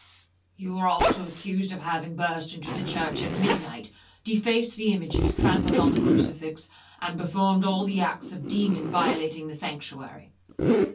'—'You are also accused of having burst into the church at midnight, defaced the images, trampled on the crucifix, and performed all the acts of a demon violating the sanctuary.'